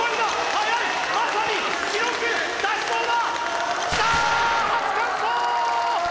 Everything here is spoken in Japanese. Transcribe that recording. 速いまさに記録出しそうだ！